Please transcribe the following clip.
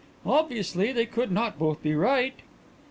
Obviously, they could not both be right."